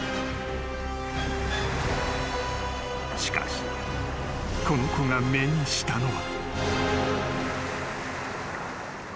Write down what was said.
［しかしこの子が目にしたのは］